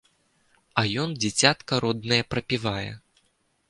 А ён дзіцятка роднае прапівае!